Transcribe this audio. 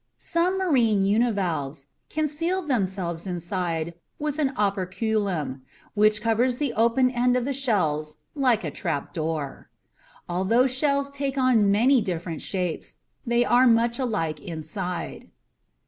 Some marine univalves can seal themselves inside with an operculum, which covers the open end of the shell like a trap door. Although shells take on many different shapes, they are much alike inside.